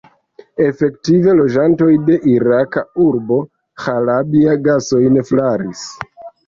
Efektive, loĝantoj de iraka urbo Ĥalabja gasojn flaris.